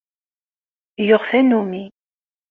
Yuɣ tanumi.